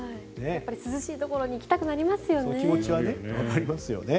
やっぱり涼しいところに行きたくなりますよね。